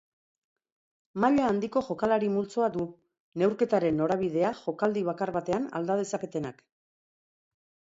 Maila handiko jokalari-multzoa du, neurketaren norabidea jokaldi bakar batean alda dezaketenak.